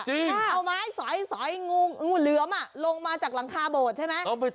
เอาไม้สอยงูเหลือมลงมาจากหลังคาโบดใช่ไหม